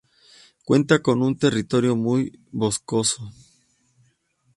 Cuenta con un territorio muy boscoso.